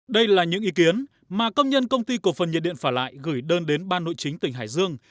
đây là những ý kiến mà công nhân công ty cổ phần nhiệt điện phả lại gửi đơn đến ban nội chính tỉnh hải dương